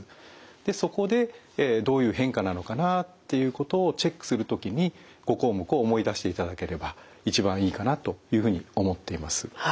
でそこでどういう変化なのかなっていうことをチェックする時に５項目を思い出していただければ一番いいかなというふうに思っています。